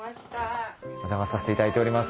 お邪魔させていただいております。